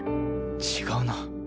違うな。